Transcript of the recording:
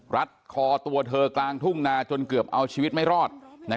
รัดคอตัวเธอกลางทุ่งนาจนเกือบเอาชีวิตไม่รอด